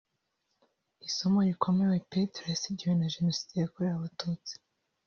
Isomo rikomeye Pedro yasigiwe na Jenoside yakorewe abatutsi